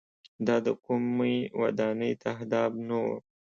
دا د کومۍ ودانۍ تهداب نه و.